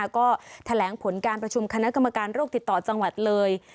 ก็แถลงผลการประชุมคณะกรรมการโรคติดต่อจังหวัดเลย